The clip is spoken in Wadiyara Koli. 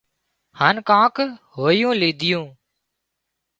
هانَ ڪانڪ هويوُون ليڌيون